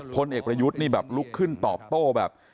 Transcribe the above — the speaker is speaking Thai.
พลเอกประยุทธ์นี่แบบลุกขึ้นตอบโต้แบบ